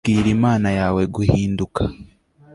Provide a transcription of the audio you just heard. bwira imana yawe guhinduka